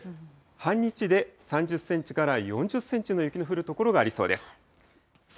半日で３０センチから４０センチの雪の降る所がありそうです。